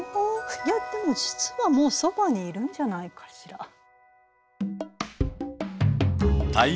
いやでも実はもうそばにいるんじゃないかしら。